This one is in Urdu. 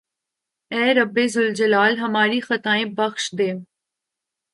اے رب ذوالجلال ھماری خطائیں بخش دے